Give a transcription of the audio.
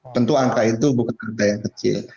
tentu angka itu bukan angka yang kecil